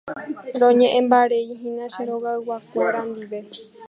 Roñe'ẽmbareihína che rogayguakuéra ndive.